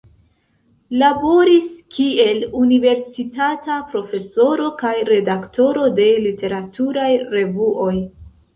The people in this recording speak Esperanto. Laboris kiel universitata profesoro kaj redaktoro de literaturaj revuoj.